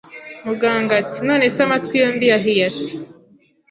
Muganga ati nonese amatwi yombi yahiye ate